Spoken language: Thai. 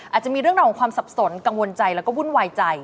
อาจจะมีเรื่องราวของความสับสนกังวลใจแล้วก็วุ่นวายใจ